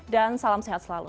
dan salam sehat selalu